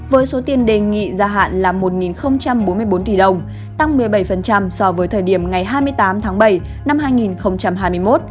với số tiền đề nghị gia hạn là một bốn mươi bốn tỷ đồng tăng một mươi bảy so với thời điểm ngày hai mươi tám tháng bảy năm hai nghìn hai mươi một